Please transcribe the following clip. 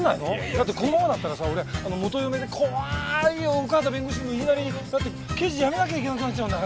だってこのままだったらさ俺元嫁で怖い奥畑弁護士の言いなりになって刑事辞めなきゃいけなくなっちゃうんだから！